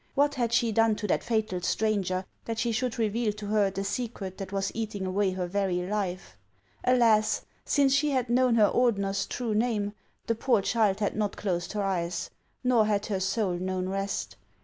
"What had she done to that fatal stranger, that she should reveal to her the secret that was eating away her very life ? Alas ! since she had known her Ordener's true name, the poor child had not closed her eyes, nor had her soul known rest.